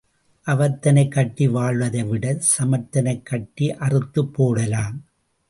அவத்தனைக் கட்டி வாழ்வதை விடச் சமர்த்தனைக் கட்டி அறுத்துப் போடலாம்.